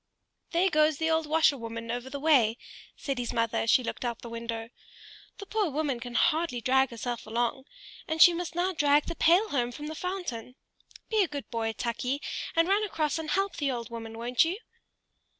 "There goes the old washerwoman over the way," said his mother, as she looked out of the window. "The poor woman can hardly drag herself along, and she must now drag the pail home from the fountain. Be a good boy, Tukey, and run across and help the old woman, won't you?"